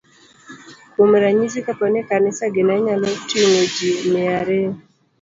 Kuom ranyisi, kapo ni kanisagi ne nyalo ting'o ji mia ariyo,